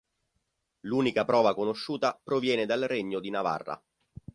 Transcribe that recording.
L'unica prova conosciuta proviene dal regno di Navarra.